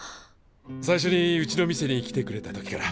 最初にうちの店に来てくれた時から。